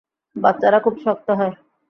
বাচ্চারা খুব শক্ত হয়।